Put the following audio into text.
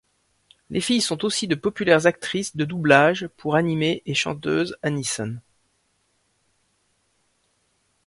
Les filles sont aussi de populaires actrices de doublage pour anime et chanteuses anison.